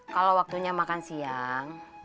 kalau waktunya makan siang